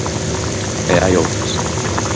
E hai outras.